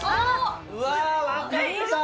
うわー、分かった。